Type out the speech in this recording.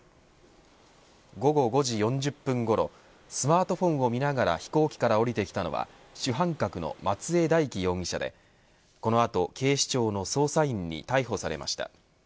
午後５時４０分ごろスマートフォンを見ながら飛行機から降りてきたのは主犯格の松江大樹容疑者でこの後、警視庁の捜査員に逮捕されました。